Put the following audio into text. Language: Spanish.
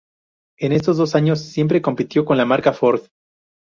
En estos dos años, siempre compitió con la marca Ford.